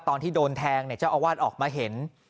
ตอนที่โดนแทงเจ้าอาวาสออกมาเห็น